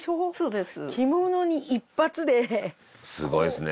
「すごいですね」